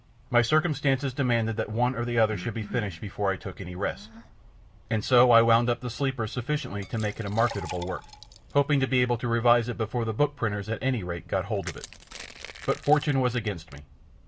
My circumstances demanded that one or other should be finished before I took any rest, and so I wound up the Sleeper sufficiently to make it a marketable work, hoping to be able to revise it before the book printers at any rate got hold of it. But fortune was against me.